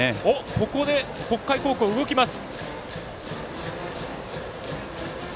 ここで北海高校、動きます。